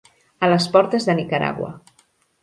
A les portes de Nicaragua.